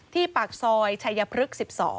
ที่ปากซอยชายพลึก๑๒